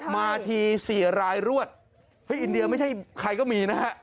มาที๔รายรวดเฮ้ยอินเดียไม่ใช่ใครก็มีนะฮะ